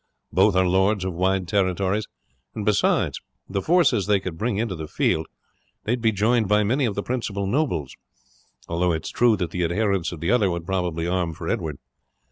Both are lords of wide territories, and besides the forces they could bring into the field, they would be joined by many of the principal nobles, although it is true that the adherents of the other would probably arm for Edward.